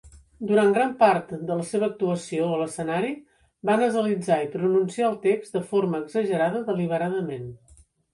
Durant gran part de la seva actuació a l'escenari va nasalitzar i pronunciar el text de forma exagerada deliberadament.